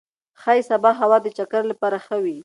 ښايي سبا هوا د چکر لپاره ښه وي.